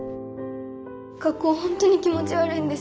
学校ほんとに気持ち悪いんです。